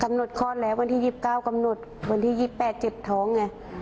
หดคลอดแล้ววันที่๒๙กำหนดวันที่๒๘เจ็บท้องไง